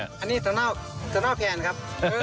อันนี้เตาเน่าเตาเน่าแผนครับ